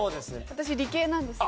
私理系なんですよ。